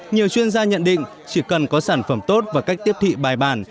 nhiều chuyên gia nhận định chỉ cần có sản phẩm tốt và cách tiếp thị bài bản